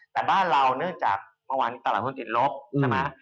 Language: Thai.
แต่บ้านเราเนื่องจากเมื่อวานนี้ตลาดหุ้นติดลบใช่ไหม